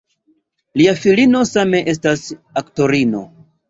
Lia filino same estas aktorino.